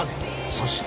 そして。